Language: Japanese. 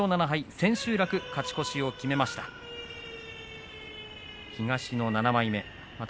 千秋楽に勝ち越しを決めました。